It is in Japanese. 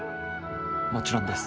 もちろんです。